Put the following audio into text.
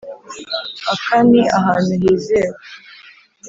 aka ni ahantu hizewe?\